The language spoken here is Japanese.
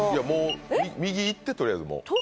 右行って取りあえず。